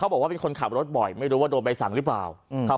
บอกว่าเป็นคนขับรถบ่อยไม่รู้ว่าโดนใบสั่งหรือเปล่าครับ